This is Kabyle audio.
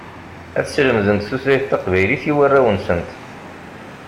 Ad slemdent tutlayt taqbaylit i warraw-nsent.